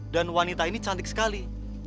dan wanita ini cantik sekali